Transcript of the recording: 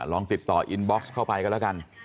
ลองติดต่ออินบ็อกซ์เข้าไปกันแล้วกัน